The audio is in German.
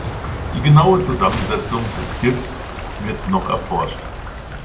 Die genaue Zusammensetzung des Gifts wird noch erforscht.